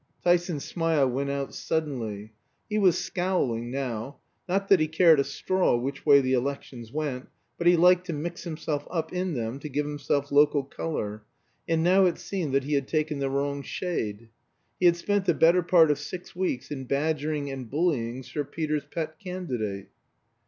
Tyson's smile went out suddenly. He was scowling now. Not that he cared a straw which way the elections went, but he liked to "mix himself up" in them to give himself local color; and now it seemed that he had taken the wrong shade. He had spent the better part of six weeks in badgering and bullying Sir Peter's pet candidate.